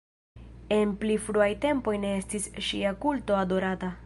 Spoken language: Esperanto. En pli fruaj tempoj ne estis ŝia kulto adorata.